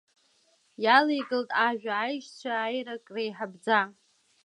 Иалеигалт ажәа, аишьцәа аирак реиҳабӡа.